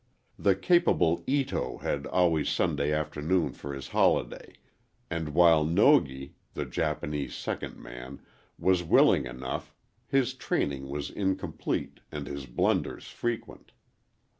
The capable Ito had always Sunday afternoon for his holiday, and while Nogi, the Japanese second man, was willing enough, his training was incomplete, and his blunders frequent.